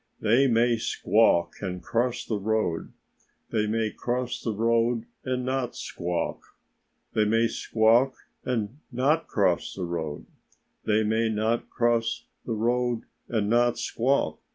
They may squawk and cross the road; they may cross the road and not squawk; they may squawk and not cross the road; they may not cross the road and not squawk.